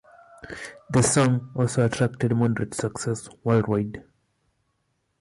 The song also attracted moderate success worldwide.